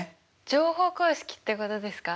乗法公式ってことですか？